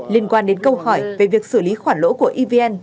liên quan đến câu hỏi về việc xử lý khoản lỗ của evn